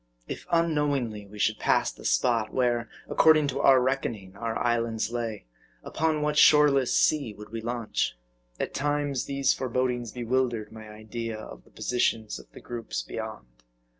If unknowingly we should pass the spot where, according to our reckoning, our islands lay, upon what shoreless sea would we launch ? At times, these forebodings bewildered my idea of the positions of the groups beyond.